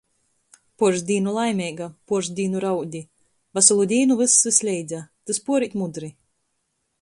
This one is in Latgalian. Puors dīnu laimeiga, puors dīnu raudi. Vasalu dīnu vyss vysleidza. Tys puorīt mudri.